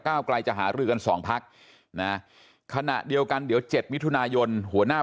ไกลจะหารือกัน๒พักนะขณะเดียวกันเดี๋ยว๗มิถุนายนหัวหน้า